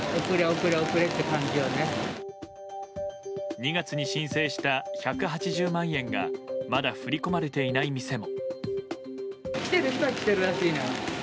２月に申請した１８０万円がまだ振り込まれていない店も。